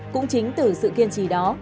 cũng chính từ sự kiên trì đó